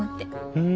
うん。